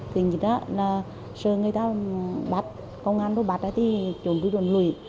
thứ nhất là sợ người ta bắt công an bắt thì trốn cái đồn lùi